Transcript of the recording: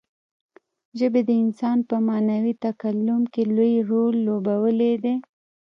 ژبې د انسان په معنوي تکامل کې لوی رول لوبولی دی.